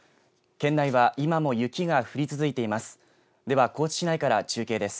県内は今も雪が降り続いています。